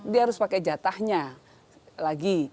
dia harus pakai jatahnya lagi